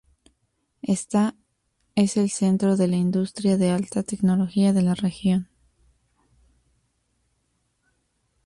Ésta es el centro de la industria de alta tecnología de la región.